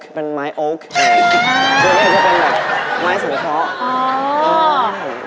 มันจะเป็นแบบไม้สังเคราะห์